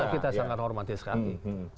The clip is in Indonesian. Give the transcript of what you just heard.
kita sangat hormati sekali